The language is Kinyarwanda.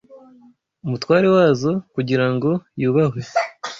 Umutware wazo kugira ngo yubahwe